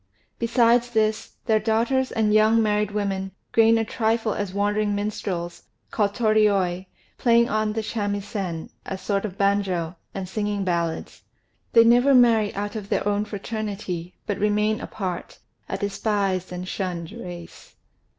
Besides this, their daughters and young married women gain a trifle as wandering minstrels, called Torioi, playing on the shamisen, a sort of banjo, and singing ballads. They never marry out of their own fraternity, but remain apart, a despised and shunned race.